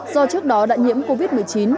do trước đó đã nhiễm covid một mươi chín